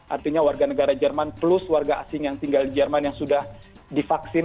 artinya warga negara jerman plus warga asing yang tinggal di jerman yang sudah divaksin